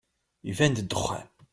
Iban-d ddexxan.